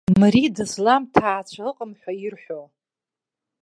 Мри дызлам ҭаацәа ыҟам ҳәа ирҳәо.